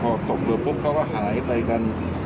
ก็อาการพอตกเบื่อปุ๊บเขาก็หายไปกัน